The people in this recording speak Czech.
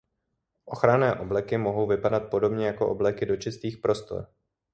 Ochranné obleky mohou vypadat podobně jako obleky do čistých prostor.